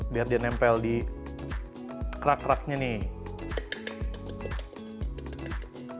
biar dia nempel di kerak keraknya nih